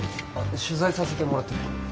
取材させてもらってて。